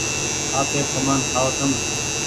آپير ڪمآن کآئو تم